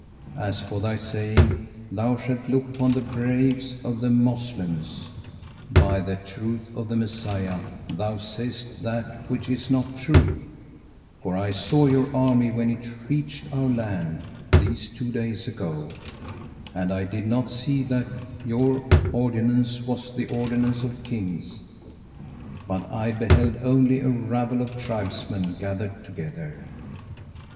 As for thy saying, 'Thou shalt look upon the braves of the Moslems,' by the truth of the Messiah, thou sayest that which is not true, for I saw your army when it reached our land, these two days ago; and I did not see that your ordinance was the ordinance of Kings, but I beheld only a rabble of tribesmen gathered together.